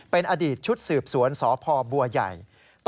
เป็นอดีตชุดสืบสวนสพบัวใหญ่